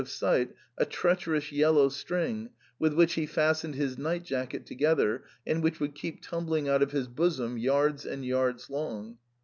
39 of sight a treacherous yellow string, with which he fast ened his night jacket together, and which would keep tumbling out of his bosom yards and yards long.